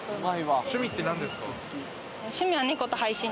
趣味って何ですか？